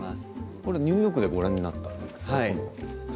これはニューヨークでご覧になったんですよね。